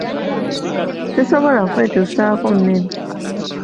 Sisobola kwetuusaako mmere.